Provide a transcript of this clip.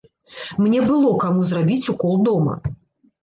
Мне было каму зрабіць укол дома.